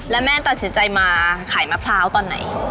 แล้วแม่ตัดสินใจมาขายมะพร้าวตอนไหน